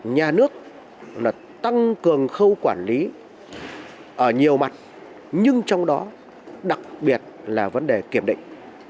nhà nước là tăng cường khâu quản lý ở nhiều mặt nhưng trong đó đặc biệt là vấn đề kiểm định